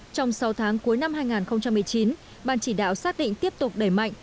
trong sáu tháng cuối năm hai nghìn một mươi chín ban chỉ đạo xác định tiếp tục đẩy mạnh